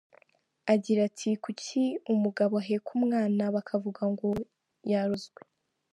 Agira ati "Kuki umugabo aheka umwana bakavuga ngo yarozwe.